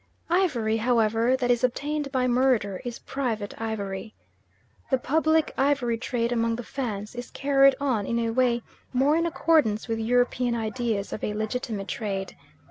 Ivory, however, that is obtained by murder is private ivory. The public ivory trade among the Fans is carried on in a way more in accordance with European ideas of a legitimate trade.